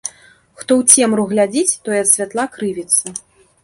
Хто ў цемру глядзіць, той ад святла крывіцца